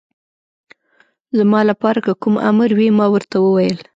زما لپاره که کوم امر وي، ما ورته وویل.